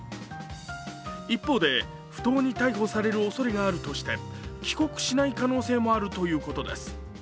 一方で、不当に逮捕されるおそれがあるとして、帰国しない可能性もあるということです。